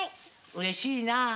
うれしいなぁ。